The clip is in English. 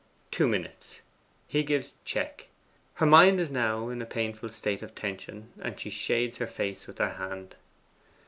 Two minutes: he gives check; her mind is now in a painful state of tension, and she shades her face with her hand.